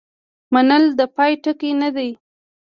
منل د پای ټکی نه دی.